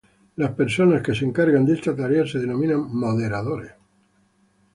Las personas que se encargan de esta tarea se denominan moderadores.